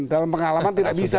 dalam pengalaman tidak bisa